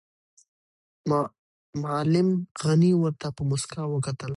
معلم غني ورته په موسکا وکتل.